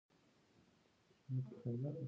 افغانستان کې د پامیر د پرمختګ لپاره هڅې روانې دي.